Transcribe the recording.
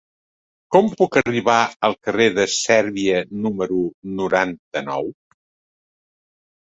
Com puc arribar al carrer de Sèrbia número noranta-nou?